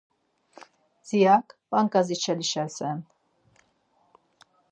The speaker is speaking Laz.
Ziyak bankas içalişasere.